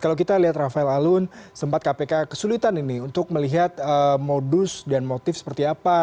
kalau kita lihat rafael alun sempat kpk kesulitan ini untuk melihat modus dan motif seperti apa